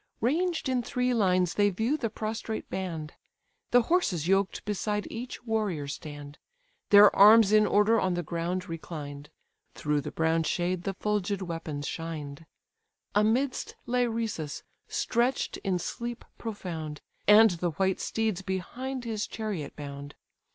Ranged in three lines they view the prostrate band: The horses yoked beside each warrior stand. Their arms in order on the ground reclined, Through the brown shade the fulgid weapons shined: Amidst lay Rhesus, stretch'd in sleep profound, And the white steeds behind his chariot bound.